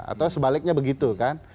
atau sebaliknya begitu kan